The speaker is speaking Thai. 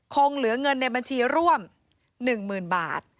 คงเหลือเงินในบัญชีร่วม๑๐๐๐บาท